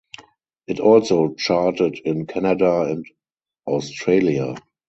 It also charted in Canada and Australia.